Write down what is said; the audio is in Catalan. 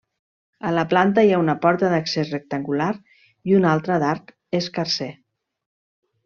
A la planta hi ha una porta d'accés rectangular i una altra d'arc escarser.